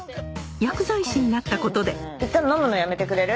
薬剤師になったことで飲むのやめてくれる？